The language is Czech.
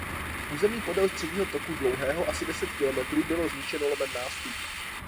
Území podél středního toku dlouhého asi deset kilometrů bylo zničeno lomem Nástup.